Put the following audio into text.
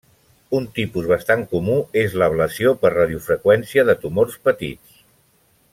Un tipus bastant comú és l'ablació per radiofreqüència de tumors petits.